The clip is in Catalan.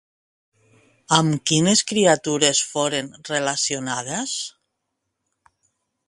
Amb quines criatures foren relacionades?